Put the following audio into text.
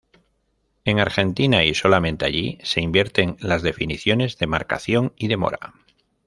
En Argentina y solamente allí se invierten las definiciones de marcación y demora.